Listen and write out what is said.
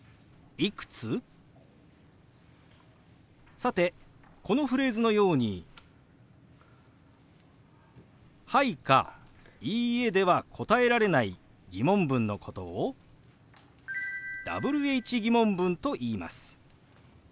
さてこのフレーズのように「はい」か「いいえ」では答えられない疑問文のことをＷｈー疑問文といいます。